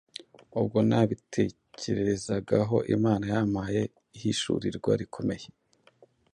Ubwo nabitekerezagaho, Imana yampaye ihishurirwa rikomeye